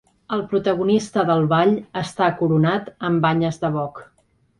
El protagonista del ball està coronat amb banyes de boc.